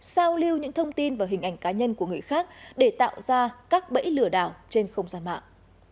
sao lưu những thông tin và hình ảnh cá nhân của người khác để tạo ra các bẫy lừa đảo trên không gian mạng